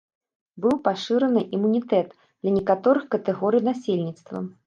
Быў пашыраны імунітэт для некаторых катэгорый насельніцтва.